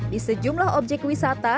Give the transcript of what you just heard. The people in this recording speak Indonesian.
di sejumlah objek wisata